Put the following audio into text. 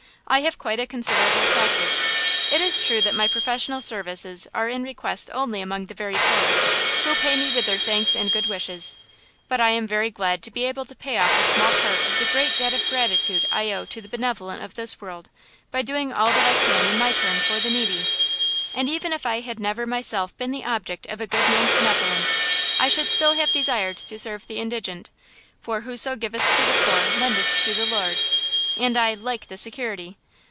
I have quite a considerable practice. It is true that my professional services are in request only among the very poor, who pay me with their thanks and good wishes. But I am very glad to be able to pay off a small part of the great debt of gratitude I owe to the benevolent of this world by doing all that I can in my turn for the needy. And even if I had never myself been the object of a good man's benevolence, I should still have desired to serve the indigent; "for whoso giveth to the poor lendeth to the Lord," and I "like the security."